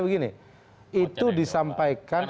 begini itu disampaikan